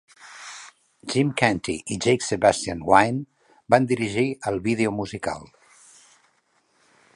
Jim Canty i Jake-Sebastian Wynne van dirigir el vídeo musical.